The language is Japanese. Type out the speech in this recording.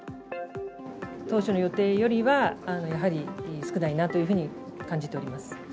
当初の予定よりは、やはり少ないなというふうに感じております。